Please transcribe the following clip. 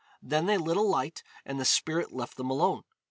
Then they lit a light and the spirit left them alone.